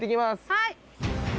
はい。